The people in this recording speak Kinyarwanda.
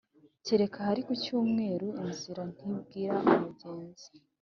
keretse ahari ku cyumweru. inzira ntibwira umugenzi.